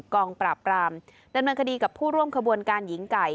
กองปราบปรามดำเนินคดีกับผู้ร่วมขบวนการหญิงไก่